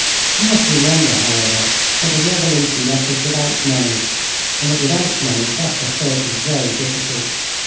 You must remember, however, that the Revolution left us without money, and that without money such a search is very difficult.